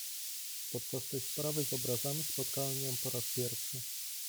"Podczas tej sprawy z obrazami spotkałem ją po raz pierwszy."